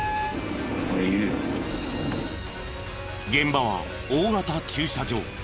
現場は大型駐車場。